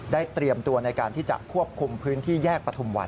เตรียมตัวในการที่จะควบคุมพื้นที่แยกปฐุมวัน